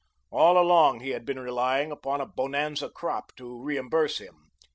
All along he had been relying upon a "bonanza crop" to reimburse him.